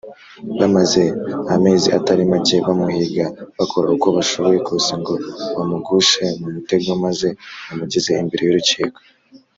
bamaze amezi atari make bamuhiga, bakora uko bashoboye kose ngo bamugushe mu mutego maze bamugeze imbere y’urukiko